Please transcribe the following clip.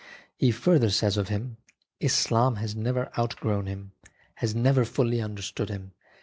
He further says of him :" Islam has never outgrown him, has never fully understood him.